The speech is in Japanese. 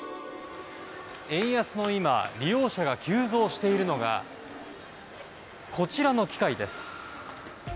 円安の今利用者が急増しているのがこちらの機械です。